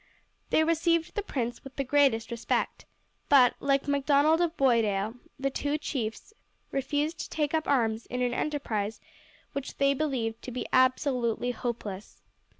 They received the prince with the greatest respect, but, like Macdonald of Boisdale, the two chiefs refused to take up arms in an enterprise which they believed to be absolutely hopeless.